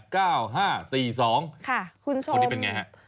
ค่ะคุณชมคนนี้เป็นอย่างไรฮะ